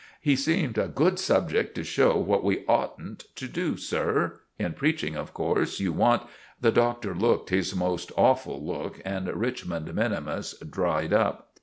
"He seemed a good subject to show what we oughtn't to do, sir. In preaching, of course, you want——" The Doctor looked his most awful look, and Richmond minimus dried up.